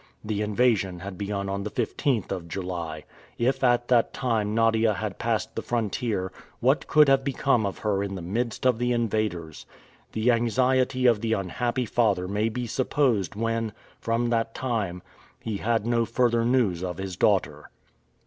The invasion had begun on the 15th of July; if at that time Nadia had passed the frontier, what could have become of her in the midst of the invaders? The anxiety of the unhappy father may be supposed when, from that time, he had no further news of his daughter.